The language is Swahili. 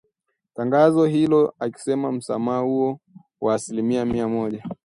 tangazo hilo akisema msamaha huo wa asilimia mia moja